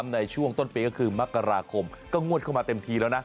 ในช่วงต้นปีก็คือมกราคมก็งวดเข้ามาเต็มทีแล้วนะ